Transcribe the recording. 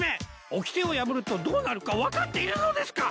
おきてを破るとどうなるか分かっているのですか！？